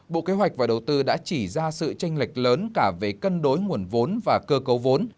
bộ kế hoạch và đầu tư đã chỉ ra sự tranh lệch lớn cả về cân đối nguồn vốn và cơ cấu vốn